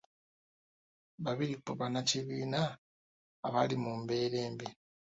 Babiri ku bannakibiina abali mu mbeera embi.